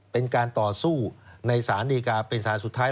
เป็นการต่อสู้ในสารดีกาเป็นสารสุดท้าย